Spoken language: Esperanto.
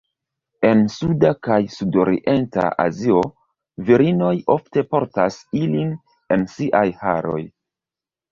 En suda kaj sudorienta Azio, virinoj ofte portas ilin en siaj haroj.